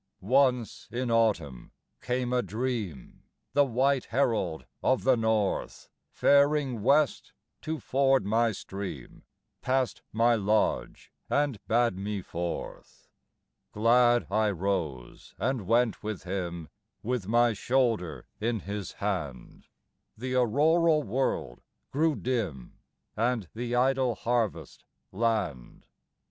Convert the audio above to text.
Once in Autumn came a dream; The white Herald of the North, Faring West to ford my stream, Passed my lodge and bade me forth; Glad I rose and went with him, With my shoulder in his hand; The auroral world grew dim, And the idle harvest land.